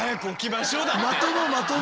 まともまとも！